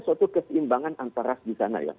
suatu keseimbangan antara ras di sana ya